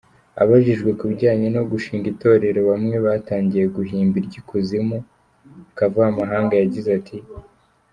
Abajijwe ku bijyanye no gushinga itorero bamwe batangiye guhimba iry’ikuzimu, Kavamahanga yagize ati:.